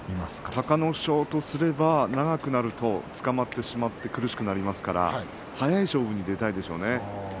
隆の勝とすれば長くなるとつかまってしまって苦しくなりますから速い勝負に出たいでしょうね。